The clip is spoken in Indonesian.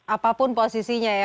apapun posisinya ya